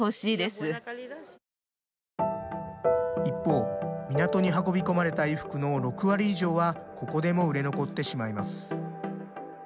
一方、港に運び込まれた衣服の６割以上はここでも売れ残ってしまいます。